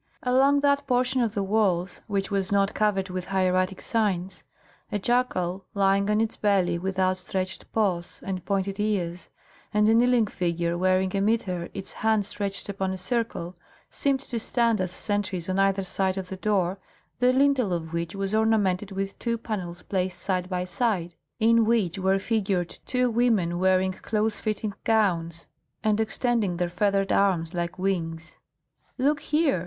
Along that portion of the walls which was not covered with hieratic signs, a jackal lying on its belly, with outstretched paws and pointed ears, and a kneeling figure wearing a mitre, its hand stretched upon a circle, seemed to stand as sentries on either side of the door, the lintel of which was ornamented with two panels placed side by side, in which were figured two women wearing close fitting gowns and extending their feathered arms like wings. "Look here!"